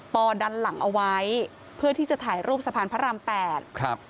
ดันหลังเอาไว้เพื่อที่จะถ่ายรูปสะพานพระรามแปดครับ